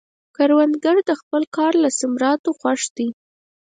کروندګر د خپل کار له ثمراتو خوښ دی